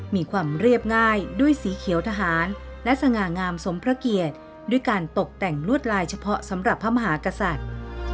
มีความเรียบง่ายด้วยสีเขียวทหารและสง่างามสมพระเกียรติด้วยการตกแต่งลวดลายเฉพาะสำหรับพระมหากษัตริย์